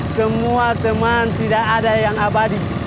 semua teman tidak ada yang abadi